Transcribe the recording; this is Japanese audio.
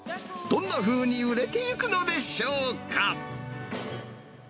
どんなふうに売れていくのでしょうか。